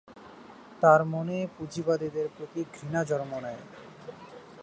তার মনে পুঁজিবাদের প্রতি ঘৃণা জন্ম নেয়।